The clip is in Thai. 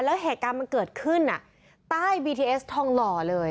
แล้วเหตุการณ์มันเกิดขึ้นใต้บีทีเอสทองหล่อเลย